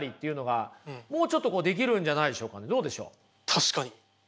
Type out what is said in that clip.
確かに。